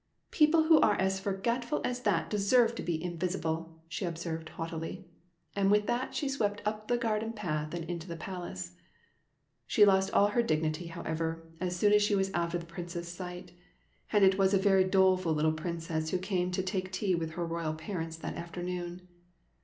" People who are as forgetful as that de serve to be invisible," she observed haughtily ; and with that she swept up the garden path and into the palace. She lost all her dignity, however, as soon as she was out of the Prince's sight ; and it was a very doleful little Princess who came to take tea with her royal parents that afternoon.